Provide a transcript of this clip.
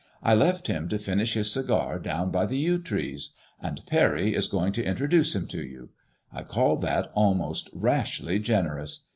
I left him to finish his cigar down by the yew trees. And Parry is going to introduce him to you. I call that almost rashly generous.